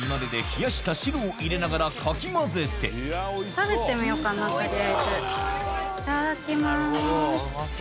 食べてみようかなとりあえず。いただきます。